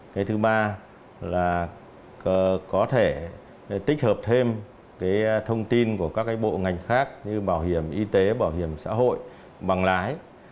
cái thứ ba là có thể tích hợp thêm thông tin của các bộ ngành khác như bảo hiểm y tế bảo hiểm xã hội bằng lái